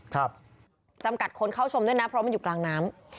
จำกัดคนเข้าชมด้วยนะเพราะมันอยู่กลางน้ำ